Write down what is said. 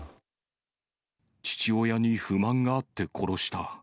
父親に不満があって殺した。